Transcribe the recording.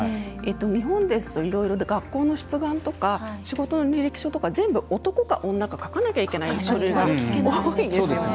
日本ですと、いろいろ学校の出願とか仕事の履歴書とか全部、男か女か書かなきゃいけない書類が多いですよね。